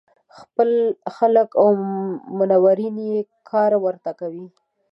خپل خلک او منورین یې کار ورته کوي.